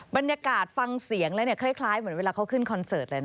บรรยากาศฟังเสียงแล้วคล้ายเหมือนเวลาเขาขึ้นคอนเสิร์ตเลยนะ